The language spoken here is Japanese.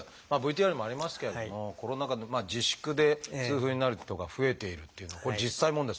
ＶＴＲにもありますけれどもコロナ禍の自粛で痛風になる人が増えているっていうの実際問題